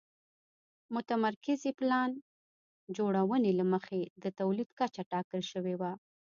متمرکزې پلان جوړونې له مخې د تولید کچه ټاکل شوې وه.